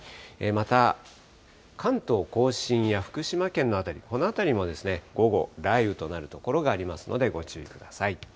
また、関東甲信や福島県の辺り、この辺りも午後、雷雨となる所がありますのでご注意ください。